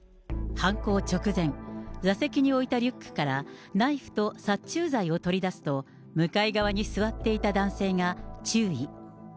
犯行直前、座席に置いたリュックから、ナイフと殺虫剤を取り出すと、向かい側に座っていた男性が注意。